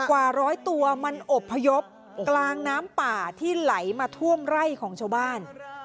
กว่าร้อยตัวมันอบพยพกลางน้ำป่าที่ไหลมาท่วมไร่ของชาวบ้าน